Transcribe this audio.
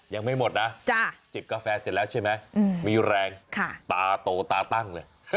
ยังไม่หมดนะจิบกาแฟเสร็จแล้วใช่ไหมมีแรงตาโตตาตั้งเลย